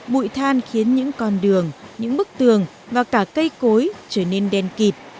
bụi than khiến những con đường những bức tường và cả cây cối trở nên đen kịp